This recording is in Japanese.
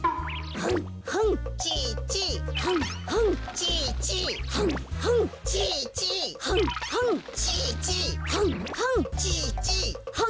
はんはん。